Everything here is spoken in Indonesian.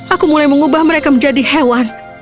aku mulai mengubah mereka menjadi hewan